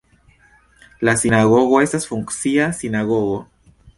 La sinagogo estas funkcia sinagogo.